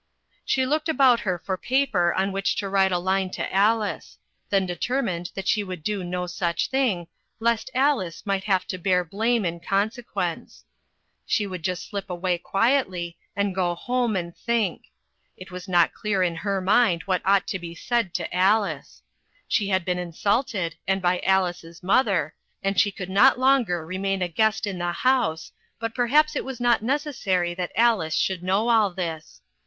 She looked about her for paper on which to write a line to Alice ; then determined that she would do no such thing, lest Alice might have to bear blame in consequence. She would just slip quietly away, and go home and think. It was not clear in her mind what ought to be said to Alice. She had been insulted, and by Alice's mother, and she could not longer remain a guest in the house , but perhaps it was not neces sary that Alice should know all this.